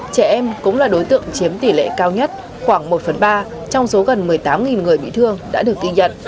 trẻ em cũng là đối tượng chiếm tỷ lệ cao nhất khoảng một phần ba trong số gần một mươi tám người bị thương đã được ghi nhận